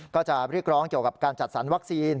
ก็จะเรียกร้องเกี่ยวกับการจัดสรรวัคซีน